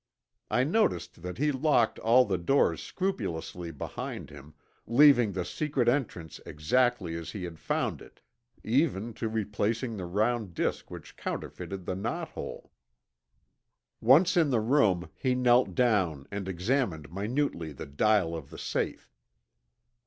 I noticed that he locked all the doors scrupulously behind him, leaving the secret entrance exactly as he had found it, even to replacing the round disk which counterfeited the knot hole. Once in the room he knelt down and examined minutely the dial of the safe.